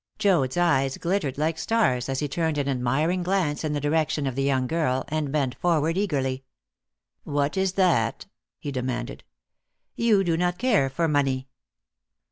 Joad's eyes glittered like stars as he turned an admiring glance in the direction of the young girl, and bent forward eagerly. "What is that?" he demanded. "You do not care for money."